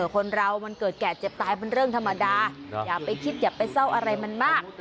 คนเรามันเกิดแก่เจ็บตายเป็นเรื่องธรรมดาอย่าไปคิดอย่าไปเศร้าอะไรมันมาก